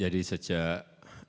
jadi sejak dua ribu lima belas